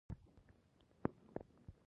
د تيمم لپاره هم نسوم پورته کېداى.